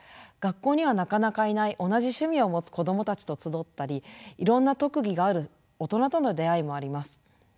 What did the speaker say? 学校にはなかなかいない同じ趣味を持つ子どもたちと集ったりいろんな特技がある大人との出会いもあります。